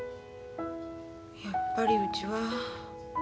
やっぱりうちは。